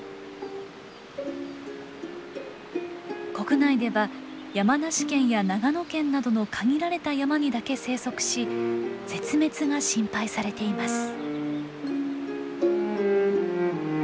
国内では山梨県や長野県などの限られた山にだけ生息し絶滅が心配されています。